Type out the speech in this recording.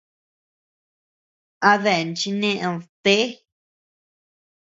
A dean chi neʼed, té.